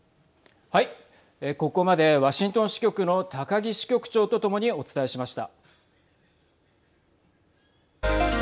ここまでワシントン支局の高木支局長とともにお伝えしました。